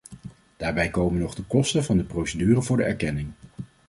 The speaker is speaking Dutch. Daarbij komen nog de kosten van de procedure voor de erkenning.